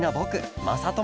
・まさとも！